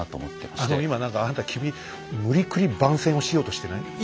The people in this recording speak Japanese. あの今何かあなた君無理くり番宣をしようとしてない？